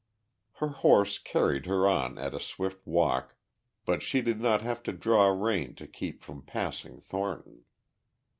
Her horse carried her on at a swift walk, but she did not have to draw rein to keep from passing Thornton.